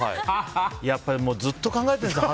やっぱりずっと考えてるんですね。